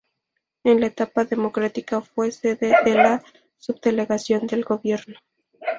En la etapa democrática fue sede de la subdelegación del gobierno.